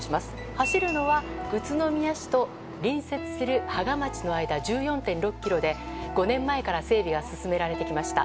走るのは宇都宮市と隣接する芳賀町の間１４．６ｋｍで、５年前から整備が進められてきました。